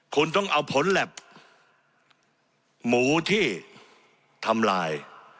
คุณต้องเอาผลแล็บหมูที่ทำลาย